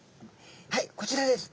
はいこちらです。